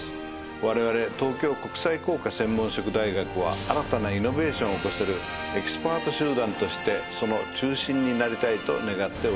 我々東京国際工科専門職大学は新たなイノベーションを起こせるエキスパート集団としてその中心になりたいと願っております。